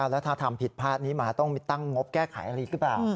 แล้วถ้าทำผิดพลาดนี้มาต้องมีตั้งงบแก้ไขอะไรหรือเปล่า